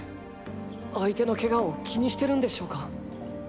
相手のケガを気にしてるんでしょうか？